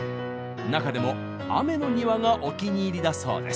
中でも「雨の庭」がお気に入りだそうです。